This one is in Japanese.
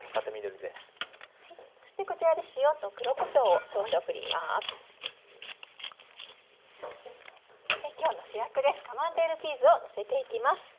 で今日の主役ですカマンベールチーズをのせていきます。